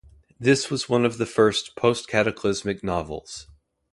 This was one of the first post-cataclysmic novels.